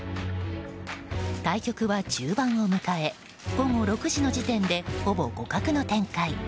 対局は中盤を迎え午後６時の時点でほぼ互角の展開。